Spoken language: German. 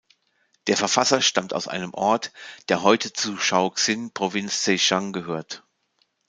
Der Verfasser stammt aus einem Ort, der heute zu Shaoxing, Provinz Zhejiang, gehört.